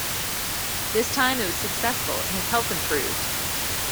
This time it was successful and his health improved.